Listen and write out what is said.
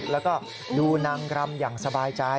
แล้วก็ดูนางรำอย่างสบายใจ